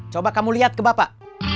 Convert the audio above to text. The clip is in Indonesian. coba kamu lihat ke bapak